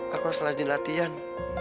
aku harus rajin latihan